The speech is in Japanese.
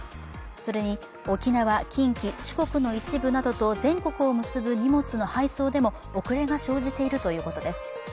それに沖縄、近畿、四国の一部などと全国を結ぶ荷物の配送でも、遅れが生じているということです。